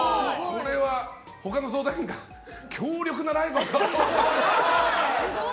他の相談員が強力なライバル。